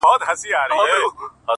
د پښتو ادب نړۍ ده پرې روښانه,